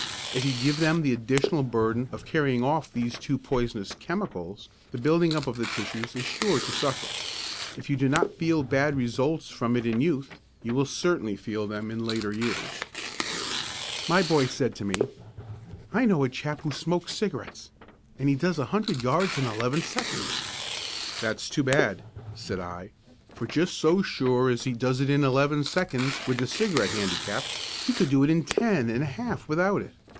If you give them the additional burden of carrying off these two poisonous chemicals, the building up of the tissues is sure to suffer. If you do not feel bad results from it in youth, you will certainly feel them in later years. Said my boy to me: "I know a chap who smokes cigarettes; and he does a hundred yards in eleven seconds." "That's too bad," said I, "for just so sure as he does it in eleven seconds with the cigarette handicap, he could do it in ten and a half without it.